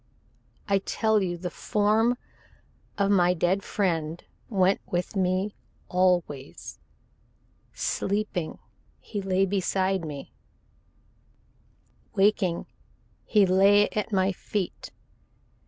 I tell you the form of my dead friend went with me always sleeping, he lay beside me; waking, he lay at my feet.